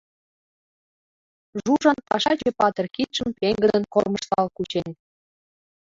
Жужан пашаче патыр кидшым пеҥгыдын кормыжтал кучен.